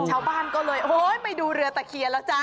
ชาวบ้านก็เลยโอ้ยไปดูเรือตะเคียนแล้วจ๊ะ